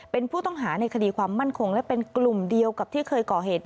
เป็นผู้ต้องหาในคดีความมั่นคงและเป็นกลุ่มเดียวกับที่เคยก่อเหตุ